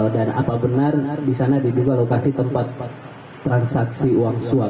dan apa benar di sana di dua lokasi tempat transaksi uang suap